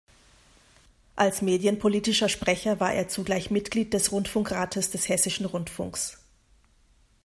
Als medienpolitischer Sprecher war er zugleich Mitglied des Rundfunkrates des Hessischen Rundfunks.